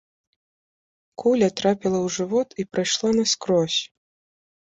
Куля трапіла ў жывот і прайшла наскрозь.